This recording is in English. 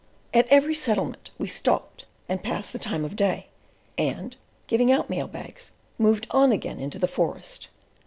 At every settlement we stopped and passed the time of day and, giving out mail bags, moved on again into the forest.